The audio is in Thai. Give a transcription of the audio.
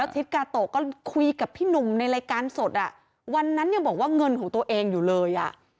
ทิศกาโตะก็คุยกับพี่หนุ่มในรายการสดอ่ะวันนั้นยังบอกว่าเงินของตัวเองอยู่เลยอ่ะ